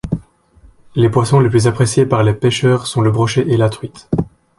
Les poissons les plus appréciés par les pêcheurs sont le brochet et la truite.